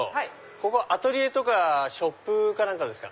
ここアトリエとかショップか何かですか？